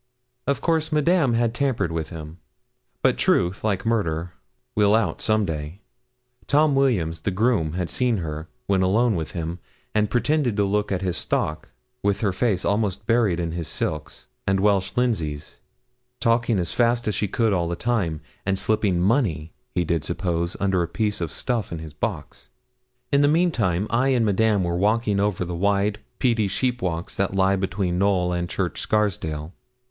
Of course Madame had tampered with him. But truth, like murder, will out some day. Tom Williams, the groom, had seen her, when alone with him, and pretending to look at his stock, with her face almost buried in his silks and Welsh linseys, talking as fast as she could all the time, and slipping money, he did suppose, under a piece of stuff in his box. In the mean time, I and Madame were walking over the wide, peaty sheep walks that lie between Knowl and Church Scarsdale.